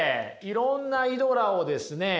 いろんなイドラをですね